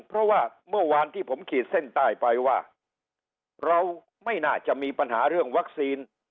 เพราะว่าเมื่อวานที่ผมขีดเส้นใต้ไปว่าเราไม่น่าจะมีปัญหาเรื่องวัคซีน